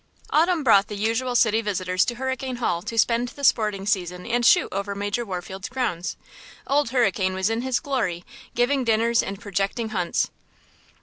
AUTUMN brought the usual city visitors to Hurricane Hall to spend the sporting season and shoot over Major Warfield's grounds. Old Hurricane was in his glory, giving dinners and projecting hunts.